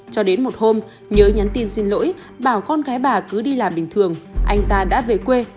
cho đến một hôm nhớ nhắn tin xin lỗi bảo con gái bà cứ đi làm bình thường anh ta đã về quê